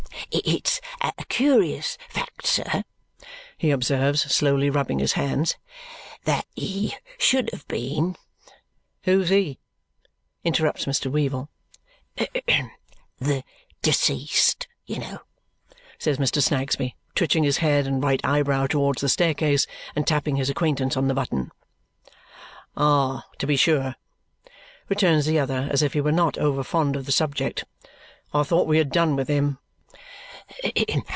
"It's a curious fact, sir," he observes, slowly rubbing his hands, "that he should have been " "Who's he?" interrupts Mr. Weevle. "The deceased, you know," says Mr. Snagsby, twitching his head and right eyebrow towards the staircase and tapping his acquaintance on the button. "Ah, to be sure!" returns the other as if he were not over fond of the subject. "I thought we had done with him."